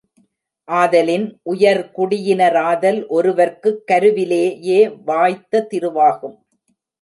ஆதலின் உயர் குடியினராதல் ஒருவர்க்குக் கருவிலேயே வாய்த்த திருவாகும்.